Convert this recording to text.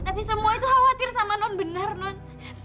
tapi semua itu khawatir sama non benar non